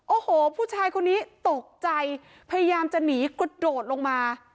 โอ้โหผู้ชายคนนี้ตกใจพยายามจะหนีกระโดดลงมา